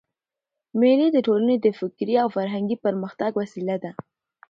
مېلې د ټولني د فکري او فرهنګي پرمختګ وسیله ده.